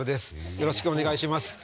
よろしくお願いします。